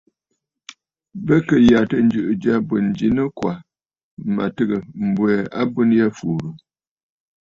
Bɨ kɨ̀ yàtə̂ ǹjɨ̀ʼɨ̀ ja ɨ̀bwèn ji nɨkwà, mə̀ tɨgə̀ m̀bwɛɛ abwen yî fùùrə̀.